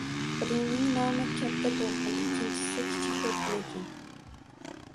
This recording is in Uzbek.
Birining nomi Katta to‘lqin, ikkinchisi Kichik to‘lqin ekan